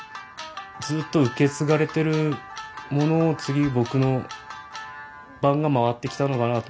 ずっと受け継がれてるものを次僕の番が回ってきたのかなと思って。